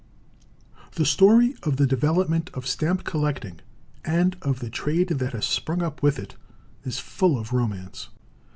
The story of the development of stamp collecting, and of the trade that has sprung up with it, is full of romance.